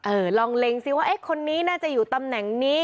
เออลองลงซี่ว่าคนนี้น่าจะอยู่ตำแหน่งนี้